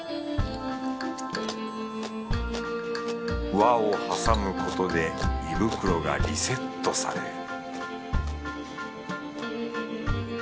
和を挟むことで胃袋がリセットされる